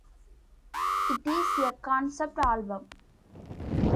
It is a concept album.